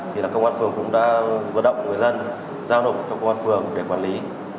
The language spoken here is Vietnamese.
thì là công an phường cũng đã vận động người dân giao nộp cho công an phường để quản lý